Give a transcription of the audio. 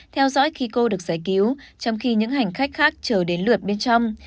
theo dõi khí cô được giải cứu trong khi những hành khách khác chờ đến lượt bên trong